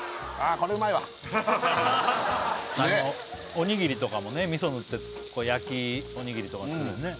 あこれはうまいわおにぎりとかもねみそ塗って焼きおにぎりとかにするよね